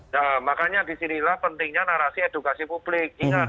nah makanya disinilah pentingnya narasi edukasi publik